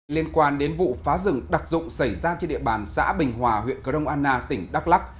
liên quan đến vụ phá rừng đặc dụng xảy ra trên địa bàn xã bình hòa huyện cờ rông anna tỉnh đắk lắc